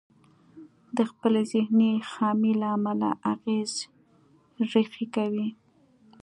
د خپلې ذهني خامي له امله اغېز ريښې کوي.